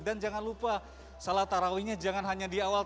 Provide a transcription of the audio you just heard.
dan jangan lupa salat tarawihnya jangan hanya di awal